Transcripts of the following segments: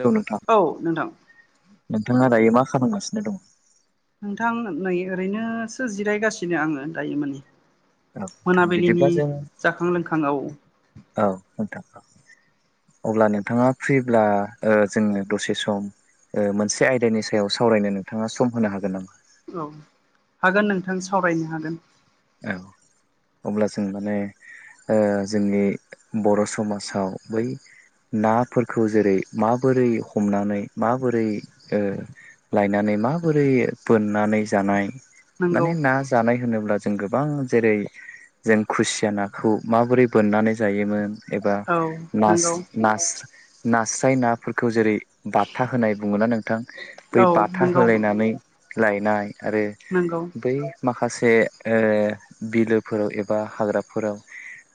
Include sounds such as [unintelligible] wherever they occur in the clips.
Hello नोंथां औ नोंथां। नोंथाङा दायो मा खालामगासिनो दङ? नोंथां नै ओरैनोसो जिरायगासिनो आङो दायो माने। औ नोंथां बिदिब्ला मोनाबिलिनि जों जाखां लोंखां औ औ नोंथां औ। अब्ला नोंथाङा फ्रिब्ला ओ जोंङो दसे सम ओ मोनसे आयदानि सायाव सावरायनो नोंथाङा सम होनो हागोन नामा? औ हागोन नोंथां सावरायनो हागोन। औ। अब्ला जों माने जोंनि बर' समाजाव बै नाफोरखौ जेरै माबोरै हमनानै माबोरै ओ लायनानै मा बोरै बोननानै जानाय नंगौ माने ना जानाय होनोब्ला जों गोबां जेरै जों खुसिया नाखौ माबोरै बोननानै जायोमोन। एबा औ नास नंगौ नास नास्राय नाफोरखौ जेरै बाथा होनाय बुङोना नोंथां बै औ बाथा नंगौ होलायनानै लायनाय आरो नंगौ बै माखासे ओ बिलोफोराव एबा हाग्राफोराव।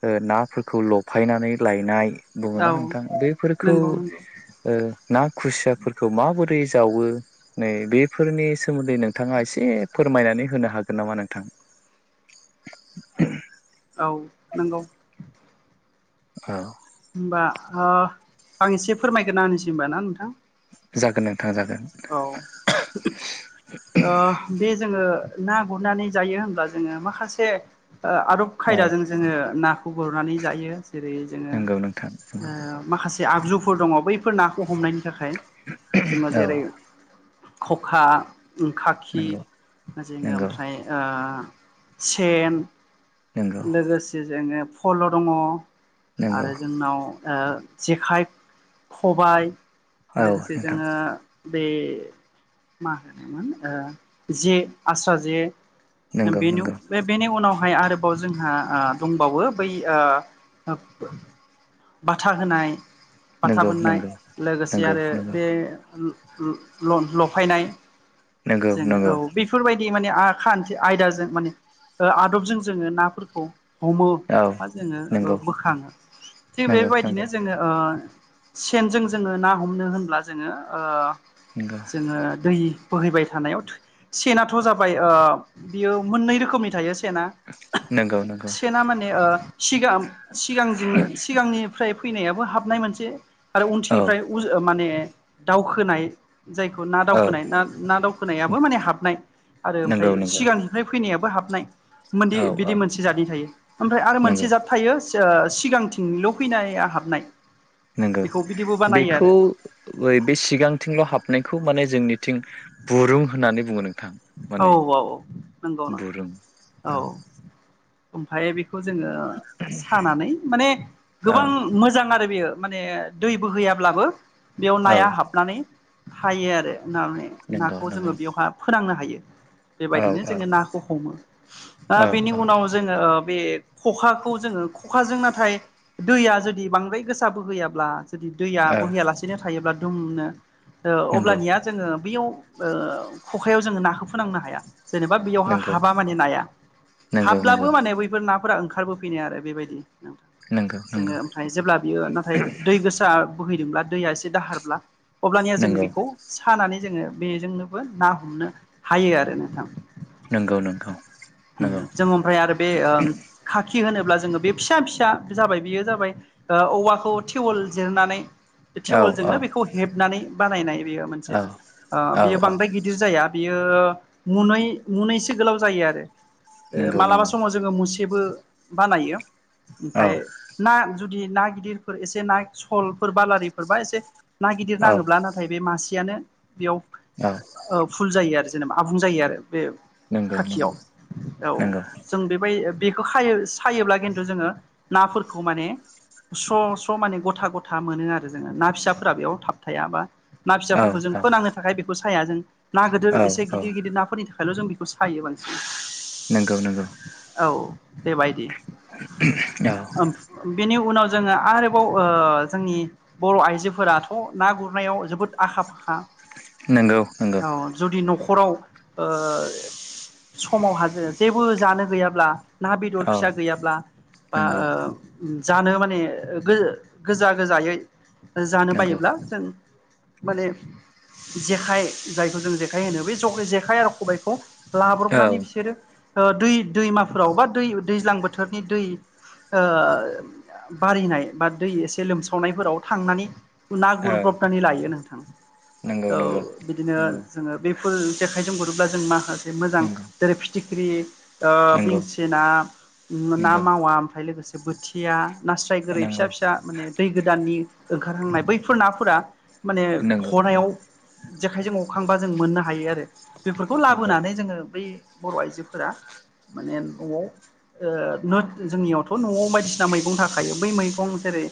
ओ नाफोरखौ ल'फायनानै लायनाय। औ बुङोना नोंथां बैफोरखौ नंगौ नंगौ ना खुसियाफोरखौ माबोरै। जावो नै बेफोरनि सोमोन्दै नोंथाङा एसे फोरमायनानै होनो हागोन नामा नोंथां। [unintelligible] औ नंगौ। औ होमबा आं एसे फोरमायग्रोना होनोसै होनबा ना नोंथां। जागोन ओं। औ ओ बे जोङो ना गुरनानै जायो होनब्ला जोङो माखासे आदब औ खायदाजों जोङो नाखौ गुरनानै जायो जेरै जोङो ओ नंगौ नोंथां नंगौ माखासे जे आगजुफोर दङ बैफोर नाखौ हमनायनि थाखाय जोङो औ जेरै खखा खाखि नंगौ जोङो नंगौ ओमफ्राय ओ सेन नंगौ लोगोसे जोङो फल' दङ। नंगौ आरो जोंनाव ओ जेखाइ खबाय औ लोगोसे नोंथां जोङो बे मा होनोमोन ओ जे आस्रा जे नंगौ बेनि नंगौ बे बेनि उनाव बेहाय आरोबाव जोंहा ओ दंबावो बै ओ बाथा होनाय बाथा नंगौ बोननाय नंगौ लोगोसे नंगौ आरो नंगौ बे ल ल लफायनाय नंगौ जोङो नंगौ औ बेफोरबायदि माने आ खान्थि आयदाजों माने आदबजों जोङो नाफोरखौ हमो औ बा जोङो नंगौ ओ बोखाङो थिग नंगौ नंगौ बेबायदिनो जोङो ओ सेनजों जोङो ना हमनो होनब्ला जोङो ओ जोङो दै बोहैबाय थानायाव सेनाथ' जाबाय बियो मोननै रोखोमनि थायो। सेनना। नंगौ नंगौ नंगौ सेना माने ओ सिगां सिगांजों सिगांनिफ्राय फैनायाबो हाबनाय मोनसे आरो औ उनथिनिफ्राय उ माने दावखोनाय जायखौ ना औ दावखोनाय ना दावखोनायाबो माने हाबनाय आरो ओमफ्राय नंगौ नंगौ सिगांनिफ्राय फैनायाबो हाब नाय मोनदि औ औ बिदि मोनसे जादनि थायो ओमफ्राय आरो नंगौ मोनसे जाद थायो सिगांथिंनिल' फैयनाय हाबनाय। नंगौ बेखौ बिदिबो बानायो बेखौ आरो बे सिगांथिं हाबनायखौ माने जोंनिथिं गुरुं होननानै बुङो नों औ औ औ नंगौ नोंथां बुरुं औ ओमफ्राय बे खौ जोङो सानानै माने औ गोबां मोजां आरो बेयो माने दै बोहैयाब्लाबो बेयाव औ नाया हाबनानै हायो आरो मे नंगौ नाखौ नंगौ जोङो बेयावहा फोनांनो हायो औ बेबायदिनो औ जोङो नाखौ हमो औ बेनि औ उनाव जोङो बे खखाखौ जोङो खखाजों नाथाय दैया जुदि बांद्राय गोसा बोहैयाब्ला जुदि दैया औ बोहैयालासेनो थायोब्ला दुमनो ओ नंगौ अब्लानिया जोङो बैयाव खखायाव जोङो नाखौ फोनांनो हाया। जेनेबा बेयावहा नंगौ हाबा माने नाया नंगौ हाब्लाबो नंगौ माने बैफोर ना फोरा ओंखारबोफिनो आरो बेबायदि नंगौ जोङो ओमफ्राय जेब्ला बियो नाथाय दै गोसा बोहैदोंब्ला दै से दाहारब्ला अब्लानिआ जों नंगौ बेखौ सानानै जो बेजोंनोबो हमनो हायो आरो नोंथां। नंगौ नंगौ नंगौ जों ओमफ्राय आरो बे खाखि होनोब्ला जोङो बे फिसा फिसा जाबाय बेयो जाबाय औवाखौ टिवल जिरनानै औ औ टिवलोंनो बेखौ हेबनानै बानायनाय बेयो मोनसे औ ओ औ बेयो औ बांद्राय गि दा बेयो मुनै मुनैसो गोलाव जायो आरो नंगौ मालाबा नंगौ समाव जों मु औ [inaudible] जुदि ना गिदिरफोर एसे ना सलफोर बालारिफोरबा एसे ना गिदिर औ नाङोब्ला नाथाय बे मासे खायानो बेयाव औ फुल जायो आरो जेनेबा आबुं जायो आरो। बे नंगौ नंगौ खाखियाव औ नंगौ जों बेबाय बेखौ खायो सायोब्ला खिन्थु जोङो नाफोरखौ माने स्र' स्र' माने गथा गथा मोनो आरो जोङो ना फिसाफोरा बेयाव थाब थायाबा ना औ फिसाफोरखौ जों फोनांनो थाखाय बेखौ साया जों ना गिदिर औ एसे औ गिदिर गिदिर नाफोरनि थाखाय बेखायल' जों बेखौ सायो बांसिन नंगौ नंगौ औ देबायायदि। औ उम बेनि उनाव जोङो आरोबाव ओ जोंनि बर' आइजोफोराथ' ना गुरनायाव जोबोद आखा फाखा नंगौ नंगौ औ जुदि न'खर खराव ओ समाव हाजो जेबो जानो गैयाब्ला ना बेदर औ फिसा गैयाब्ला बा नंगौ ओ जानो माने गोजा गोजायै जानो नंगौ बायोब्ला जों माने जेखाइ जायखौ जों जेखाइ होनो बे जेखाइ आरो खबबायखौ औ लाब्रबनानै बिसोरो दै दैमाफोराव बा दै दैज्लां बोथोरनि दै ओ बारिनाय बा दै एसे लोमसावनायफोराव थांनानै ना औ गुरुप्रब्तनानै लायो नोंथां। नंगौ नंगौ। औ बिदिनो नंगौ जोङो बेफोर जेखाइजों गुरोब्ला जों माखासे मोजां नंगौ जेरै फिथिख्रि ओ नंगौ नंगौ बेंसिना ना नंगौ मावा ओमफ्राय लोगोसे बोथिया नास्राय गोरै फिसा फिसा माने दै गोदाननि ओंखार हांनाय बैफोर नाफोरा माने नंगौ हनायाव जेखाइजों हखांबा जों मोननो हायो आरो बेफोरखौ लाबोनानै जोङो बै बर' आइजोफोरा माने न'आव जोंनियावथ' न'आव बायदिसिना मैगं थाखायो बै मैं मैगं जेरै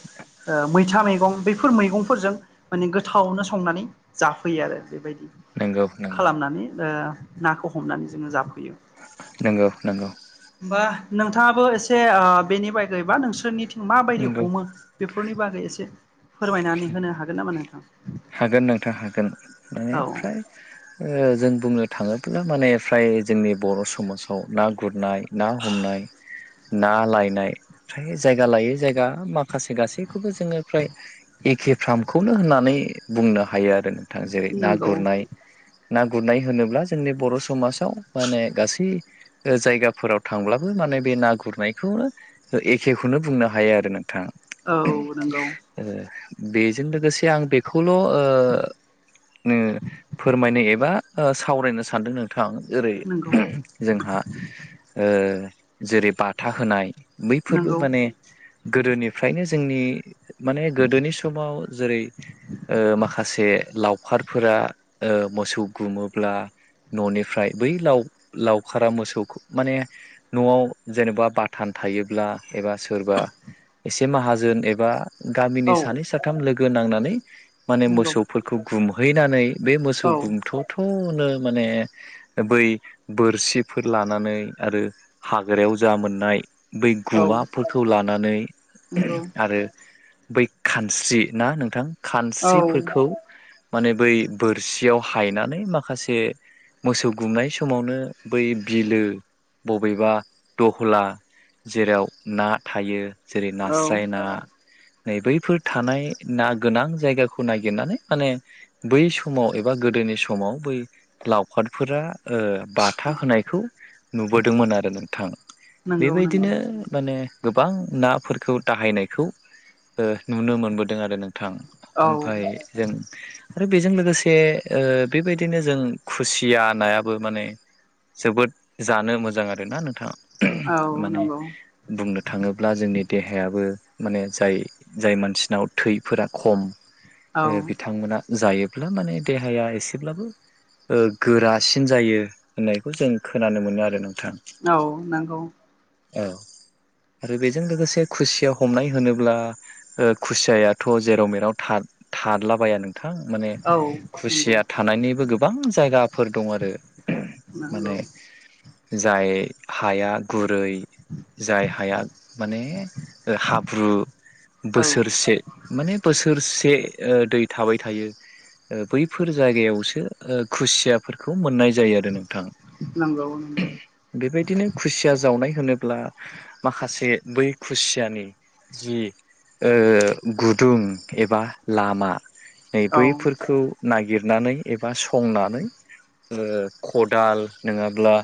मैथा मैगं बैफोर मैगंफोरजों माने गोथावनो संनानै जा फैयो आरो बेबायदि नंगौ खालामनानै नाखौ हमनानै जोङो जाफैयो। नोंगौ नंगौ। होमबा नोंथाङाबो एसे बेनि बागै बा नोंसोरनिथिं माबायदि नंगौ हमो बेफोरनि बागै एसे फोरमायनानै होनो हागोन नामा नोंथां? हागोन नोंथां माने औ फ्राय ओ जों बुंनो थाङो माने फ्राय जोंनि बर' समाजाव ना गुरनाय ना हमनाय ना लायनाय फ्राय जायगा लायै जायगा माखासे गासैखौबो जोङो फ्राय एखे फार्मखौनो होननानै बुंनो हायो आरो नोंथां जेरै ना नंगौ गुरनाय ना गुरनाय होनोब्ला जोंनि बर' समाजाव माने गासै ओ जायगाफोराव थांब्लाबो माने बे ना गुरनायखौ एखेखौनो बुंनो हायो आरो नोंथा औ नंगौ। बेजों लोगोसे आं बेखौल' ओ नो फोरमायनो एबा ओ सावरायनो सानदों नोंथां जेरै नंगौ जोंहा ओ जेरै बाथा होनाय बैफोरबो नंगौ माने गोदोनिफ्रायनो ज जोंनि माने गोदोनि समाव जेरै ओ माखासे लावखारफोरा मोसौ गुमोब्ला न'निफ्राय बै लाव लावखारा मोसौखौ माने न'आव जेनेबा बाथान थायोब्ला एबा सोरबा एसे माहाजोन एबा गामिनि औ सानै साथाम लोगो नांनानै माने नंगौ मोसौफोरखौ गुमहैनानै बे मोसौ औ गुंमथ' थ' नो माने बै बोरसिफोर लानानै आरो हाग्रायाव जा मोनो नाय बै औ गुमाफोरखौ लानानै नंगौ आरो बै खानस्रि ना नोंथां औ खानस्रिफोरखौ माने बै बोरसियाव हायनानै माखासे मोसौ गुमनाय समावनो बै बिलो बबेबा दहला जेराव ना थायो जेरै नास्राय ना नै बैफोर थानाय ना गोनां जायगा खौ नायगिरनानै माने बै समाव एबा गोदोनि समाव बै लावखारफोरा। ओ बाथा होनायखौ नुबोदोंमोन आरो नोंथां। नंगौ नंगौ बेबायदिनो माने गोबां नाफोरखौ दाहायनायखौ नुनो मोनबोदों आरो नोंथां औ ओमफाय जों आरो बेजों लोगोसे ओ बेबायदिनो जों खुसिया नायाबो माने जोबोद जानो मोजां आरोना नोंथाङा औ माने नंगौ बुंनो थाङोब्ला जोंनि देहायाबो माने जाय जाय मानसिनाव थैफोरा खम औ ओ बिथांमोना जायोब्ला माने देहाया एसेब्लाबो ओ गोरासिन जायो होननायखौ जों खोनानो मोनो आरो नोंथाङा। औ नोंगौ ओ आरो बेजों लोगोसे खुसिया हमनाय होनोब्ला खुसियाथ जेराव मेराव। था थारलाबाया नों। थां माने औ नंगौ खुसिया थानायनिबो गोबां जायगाफोर दं आरो माने नांगौ जाय हाया गुरै। बै जाय हाया माने ओ हाब्रु औ बोसोरसे माने बोसोरसे ओ दै थाबाय थायो बैफोर जायगायावसो खुसियाफोरखौ मोननाय जायो। जायो आरो नोंथांा नंगौ नंगौ बेबायदिनो खुसिया जावनाय होनोब्ला माखासे बै खुसियानि जि गुदुं एबा लामा नै औ बैफोरखौ नागिर। सिनायनानै एबा संनानै ओ खदाल नङाब्ला।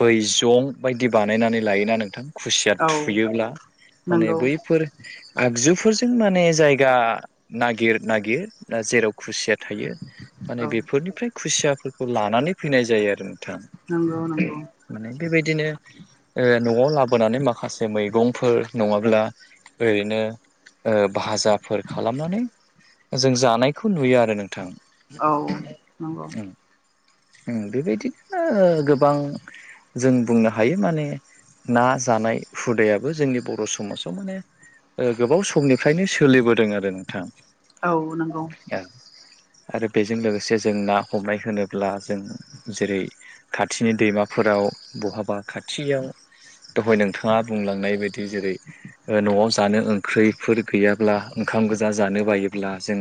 बैजं बायदि बानायनानै लायोना नोंथां खुसिया औ थुयोब्ला माने नंगौ बैफोर आगजुफोरजों माने जाय गा नागिर नागिरा जेराव खुसिया थायो माने औ बेफोरनिफ्राय खुसियाफोरखौ लानानै फैनाय जायो आरो नोंथां नंगौ नंगौ माने बेबायदिनो नआव लाबोनानै माखासे मैगं। फोर नङाब्ला ओरैनो भाजा। -फोर खालामनानै जों जानायखौ नुयो आरो नोंथां। औ नंगौ उम बेबायदिनो गोबां जों बुंनो हायो माने ना जानाय हुदायाबो जोंनि बर' समाजाव माने ओ गोबाव समनिफ्रायनो सोलिबोदों आरो नोंथां औ नोंगौ आरो बेजों लोगोसे जों ना हमनाय होनोब्ला। जों जेरै खाथिनि दैमाफोराव बहाबा खाथियाव दहाय नोंथाङा बुंलांनाय बायदि जेरै ओ न'आव जानो ओंख्रैफोर गैयाब्ला ओंखाम गोजा जानो बायोब्ला जों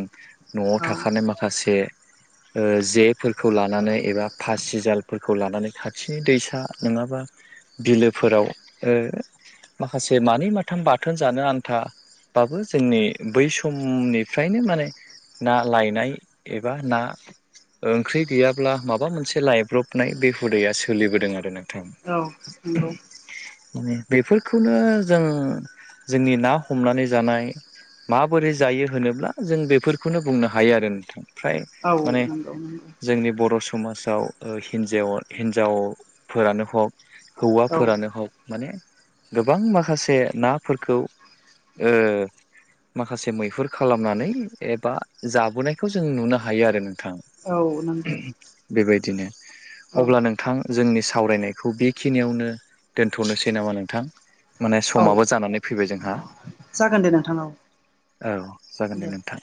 न'आव औ थाखानाय माखासे ओ जेफोरखौ लानानै एबा फासिजालफोरखौ लानानै खाथिनि दैसा नङाबा बिलोफोराव माखासे मानै माथाम बाथोन जानो आन्था बाबो जोंनि बै समनिफ्रायनो माने ना लायनाय एबा ना ओंख्रि गैयाब्ला माबा मोनसे लायब्रबनाय बे हुदाया सोलिबोदों आरो नों औ नंगौ। बेफोरखौनो जों जोंनि ना हमनानै जानाय माबोरै जायो होनोब्ला जों बेफोरखौनो बुंनो हायो आरो नोंथां फ्राय औ माने नंगौ नंगौ जोंनि बर' समाजाव ओ हिन्जाव हिन्जावफोरानो हक औ हौवाफोरानो हक माने गोबां माखासे नाफोरखौ। ओ माखासे मैहुर खालामनानै एबा जाबोनायखौ जों नुनो हायो आरो नोंथां। औ नोंगौ बेबायदिनो अब्ला नोंथां जोंनि सावरायनायखौ बेखिनियावनो दोनथनोसै नामा नोंथां। माने औ समाबो जानानै फैबाय जोंहा जागोन दे नोंथां औ औ जागोन दे नोंथां।